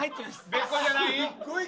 べっこうじゃない？